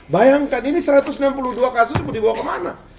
bayangkan ini satu ratus enam puluh dua kasus mau dibawa kemana